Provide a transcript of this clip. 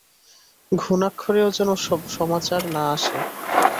ঘুণাক্ষরেও যেন বামাচার না আসে।